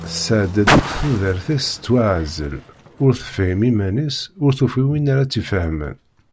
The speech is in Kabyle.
Tesεedda-d akk tudert-is tettwaεzel, ur tefhim iman-is, ur tufi win ara tt-ifehmen.